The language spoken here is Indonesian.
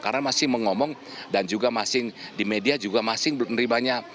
karena masih mengomong dan juga masing di media juga masing menerimanya